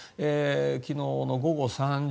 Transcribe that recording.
昨日の午後３時。